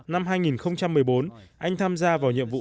năm hai nghìn một mươi bốn anh tham gia vào nhiệm vụ